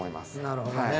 なるほどね。